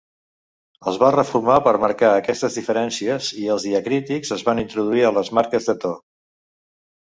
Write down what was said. Es va reformar per marcar aquestes diferències, i els diacrítics es van introduir a les marques de to.